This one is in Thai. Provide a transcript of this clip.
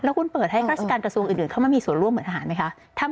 คุณเปิดให้ข้าราชการกระทรวงอื่นเข้ามามีส่วนร่วมเหมือนทหารไหมคะ